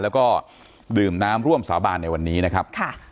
แล้วก็ดื่มน้ำร่วมสาบานในวันนี้นะครับ